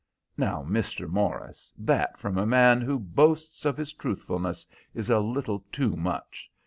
"Now, Mr. Morris, that from a man who boasts of his truthfulness is a little too much.